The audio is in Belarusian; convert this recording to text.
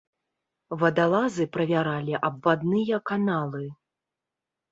Вадалазы правяралі абвадныя каналы.